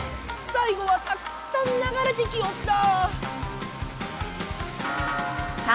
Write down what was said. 最後はたくさんながれてきよった。